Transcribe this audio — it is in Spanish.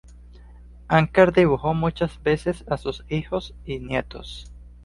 Anker dibujó muchas veces a sus hijos y nietos.